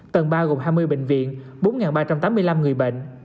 tầng ba gồm hai mươi bệnh viện bốn ba trăm tám mươi năm người bệnh